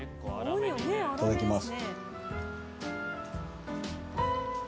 いただきます。